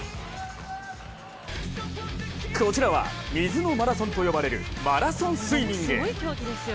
こちらは水のマラソンと呼ばれるマラソンスイミング。